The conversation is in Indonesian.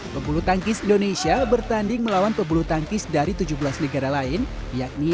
pembulu tangkis indonesia bertanding melawan pebulu tangkis dari tujuh belas negara lain yakni